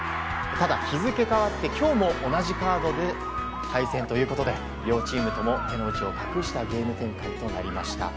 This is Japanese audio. ただ、日付変わって今日同じカードで対戦ということで両チーム共、手の内を隠したゲーム展開となりました。